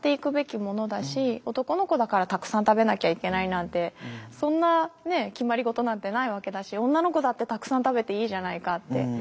男の子だからたくさん食べなきゃいけないなんてそんな決まり事なんてないわけだし女の子だってたくさん食べていいじゃないかって。